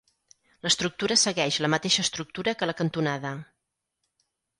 L'estructura segueix la mateixa estructura que la cantonada.